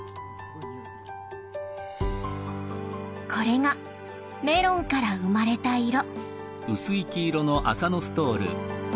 これがメロンから生まれた色。